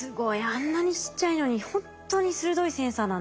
あんなにちっちゃいのにほんとに鋭いセンサーなんですね。